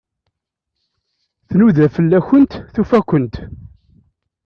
Tnuda fell-akent, tufa-kent.